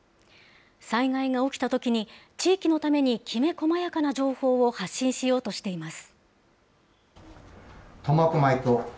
災害が起きたときに、地域のためにきめ細やかな情報を発信しようとしています。